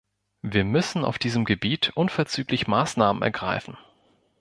Wir müssen auf diesem Gebiet unverzüglich Maßnahmen ergreifen.